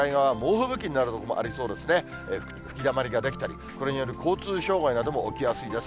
吹きだまりが出来たり、それによる交通障害も起きやすいです。